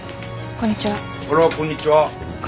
こんにちは。